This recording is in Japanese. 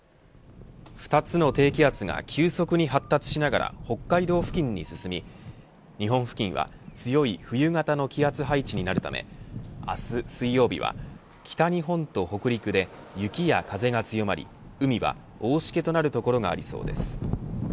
２つの低気圧が急速に発達しながら北海道付近に進み日本付近は強い冬型の気圧配置になるため明日、水曜日は北日本と北陸で雪や風が強まり海は大しけとなる所がありそうです。